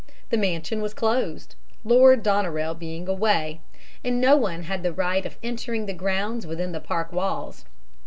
The mansion was closed, Lord Doneraile being away, and no one had the right of entering the grounds within the park walls.